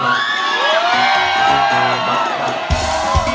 เท่านั้นแล้วก็